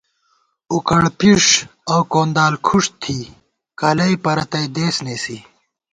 اُکھڑ پھِݭ اؤ کوندال کھُݭ تھی کلَئ پرَتئ دېس نېسی